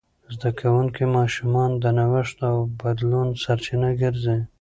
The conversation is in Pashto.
زده کوونکي ماشومان د نوښت او بدلون سرچینه ګرځي.